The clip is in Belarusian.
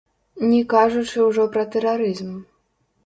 Не кажучы ўжо пра тэрарызм.